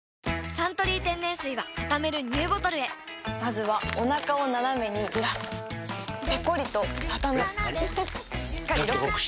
「サントリー天然水」はたためるＮＥＷボトルへまずはおなかをナナメにずらすペコリ！とたたむしっかりロック！